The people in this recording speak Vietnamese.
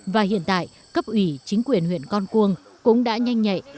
và hiện tại cấp ủy chính quyền huyện con cuông cũng đã nhanh nhạy